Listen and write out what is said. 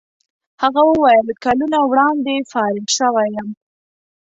هغه وویل کلونه وړاندې فارغ شوی یم.